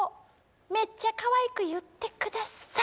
「メッチャかわいく言ってください」